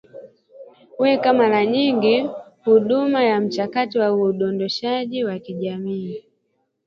wake mara nyingi huunda mchakato wa udondoshaji wa kijamii